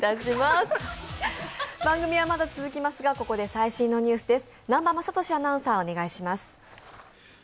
番組はまだ続きますがここで最新のニュースです。